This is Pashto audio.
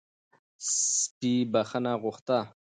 سپي بښنه غوښته